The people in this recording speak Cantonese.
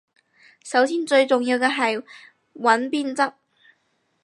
首先最重要嘅係揾編輯